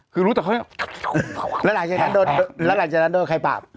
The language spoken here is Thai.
คือรู้แต่ค่อยแล้วหลังจากนั้นโดนใครปาบ